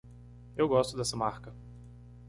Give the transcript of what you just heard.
Eu gosto dessa marca.